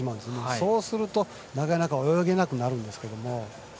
そうするとなかなか泳げなくなるんですが。